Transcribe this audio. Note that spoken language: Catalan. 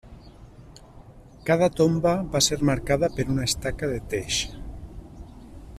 Cada tomba va ser marcada per una estaca de teix.